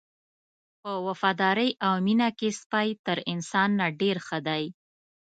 په وفادارۍ او مینه کې سپی تر انسان نه ډېر ښه دی.